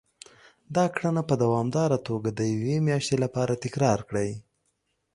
دا کړنه په دوامداره توګه د يوې مياشتې لپاره تکرار کړئ.